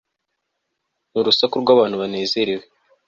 ni urusaku rw'abantu banezerewe